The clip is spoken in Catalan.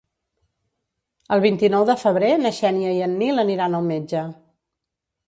El vint-i-nou de febrer na Xènia i en Nil aniran al metge.